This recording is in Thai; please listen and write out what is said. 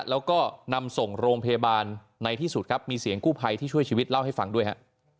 แล้วก็นำส่งโรงพยาบาลในที่สุดครับมีเสียงกู้ภัยที่ช่วยชีวิตเล่าให้ฟังด้วยฮะ